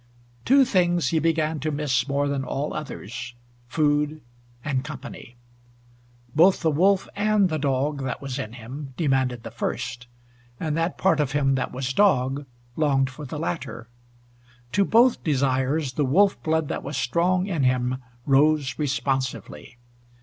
Two things he began to miss more than all others food and company. Both the wolf and the dog that was in him demanded the first, and that part of him that was dog longed for the latter. To both desires the wolf blood that was strong in him rose responsively.